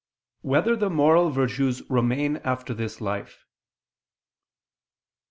1] Whether the Moral Virtues Remain After This Life?